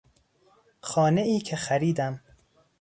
خانهای که خریدم